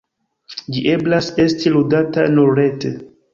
Ĝi eblas esti ludata nur rete.